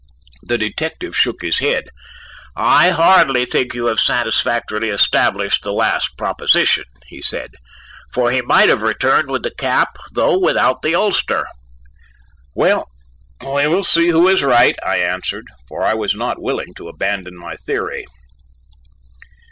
The detective shook his head. "I hardly think you have satisfactorily established the last proposition," he said, "for he might have returned with the cap though without the ulster." "Well, we will see who is right," I answered, for I was not willing to abandon my theory.